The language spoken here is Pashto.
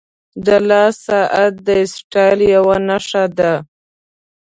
• د لاس ساعت د سټایل یوه نښه ده.